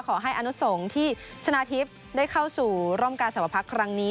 อนุสงฆ์ที่ชนะทิพย์ได้เข้าสู่ร่มการสวพักครั้งนี้